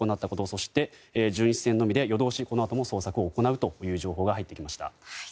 そして、巡視船のみで夜通し、このあとも捜索を行うという情報が入ってきました。